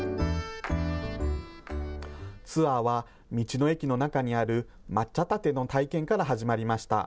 ツアーは、道の駅の中にある抹茶たての体験から始まりました。